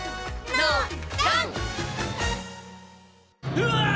うわ！